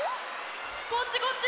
こっちこっち！